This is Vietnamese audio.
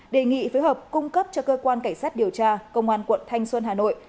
đề nghị phối hợp cung cấp cho cơ quan cảnh sát điều tra công an quận thanh xuân hà nội